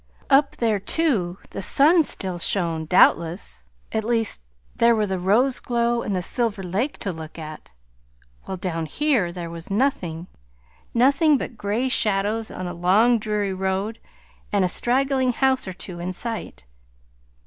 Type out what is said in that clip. Up there, too, the sun still shone, doubtless, at least there were the rose glow and the Silver Lake to look at, while down here there was nothing, nothing but gray shadows, a long dreary road, and a straggling house or two in sight.